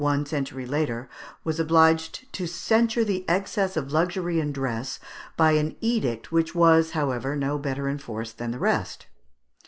one century later, was obliged to censure the excess of luxury in dress by an edict which was, however, no better enforced than the rest.